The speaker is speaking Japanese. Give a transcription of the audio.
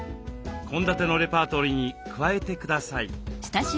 献立のレパートリーに加えてください。